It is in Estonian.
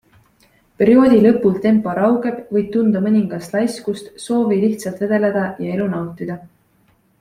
Perioodi lõpul tempo raugeb, võid tunda mõningast laiskust, soovi lihtsalt vedeleda ja elu nautida.